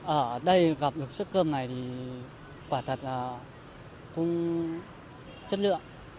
ở đây gặp được suất cơm này thì quả thật là không chất lượng